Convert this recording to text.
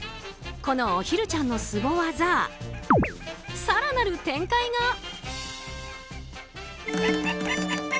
この、おひるちゃんのスゴ技更なる展開が。